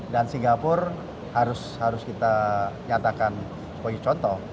dan singapura harus kita nyatakan sebagai contoh